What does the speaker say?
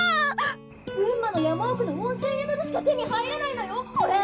群馬の山奥の温泉宿でしか手に入らないのよこれ！